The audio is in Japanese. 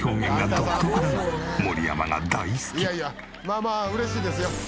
「まあまあ嬉しいですよ」